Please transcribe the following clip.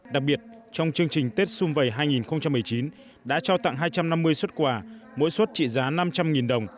đặc biệt trong chương trình tết xung vầy hai nghìn một mươi chín đã trao tặng hai trăm năm mươi xuất quà mỗi xuất trị giá năm trăm linh đồng